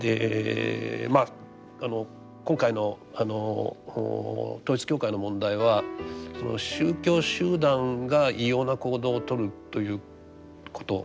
今回の統一教会の問題はその宗教集団が異様な行動をとるということ。